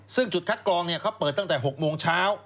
ซึ่งจุดคัดกรองเขาเปิดตั้งแต่๖โมงเช้า